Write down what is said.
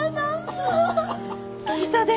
聞いたで。